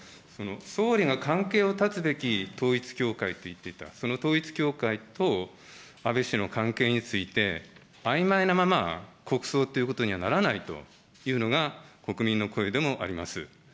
総理が関係を断つべき統一教会って言ってたその統一教会と、安倍氏の関係について、あいまいなまま国葬ということにはならないというのが国民の声でもあります。